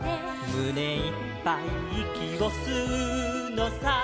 「むねいっぱいいきをすうのさ」